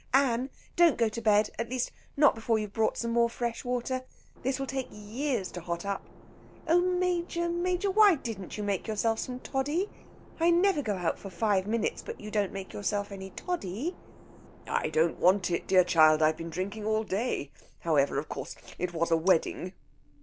Ann! don't go to bed; at least, not before you've brought some more fresh water. This will take years to hot up. Oh, Major, Major, why didn't you make yourself some toddy? I never go out for five minutes but you don't make yourself any toddy!" "I don't want it, dear child. I've been drinking all day however, of course, it was a wedding...."